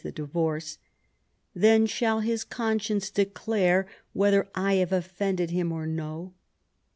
the divorce) ; then shall his conscience declare whether I have offended him or no.